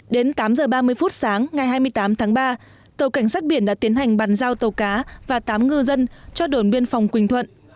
đến tám h ba mươi phút sáng ngày hai mươi tám tháng ba tàu cảnh sát biển đã tiến hành bàn giao tàu cá và tám ngư dân cho đồn biên phòng quỳnh thuận